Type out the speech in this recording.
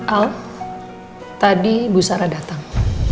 al tadi bu sara datang